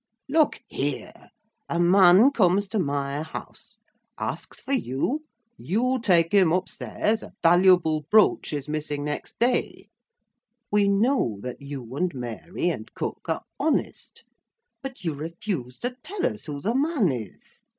Look here! a man comes to my house; asks for you; you take him up stairs, a valuable brooch is missing next day; we know that you, and Mary, and cook, are honest; but you refuse to tell us who the man is.